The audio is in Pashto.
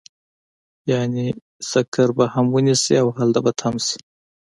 يعنې سکر به هم ونيسي او هلته به تم شي.